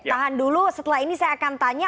tahan dulu setelah ini saya akan tanya